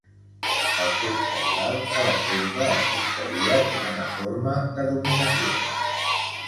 El sexe oral, per exemple, es concebia com una forma de dominació.